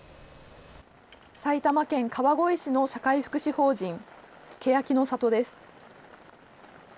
埼玉県川越市の社会福祉法人けやきの郷です。